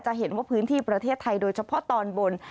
เห็นว่าพื้นที่ประเทศไทยโดยเฉพาะตอนบน